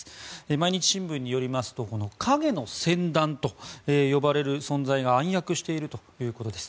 毎日新聞によりますと影の船団と呼ばれる存在が暗躍しているということです。